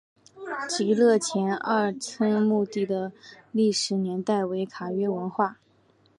极乐前二村墓地的历史年代为卡约文化。